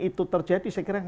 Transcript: itu terjadi saya kira